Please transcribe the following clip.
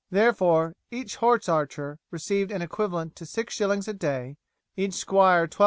Therefore each horse archer received an equivalent to 6s. a day, each squire 12s.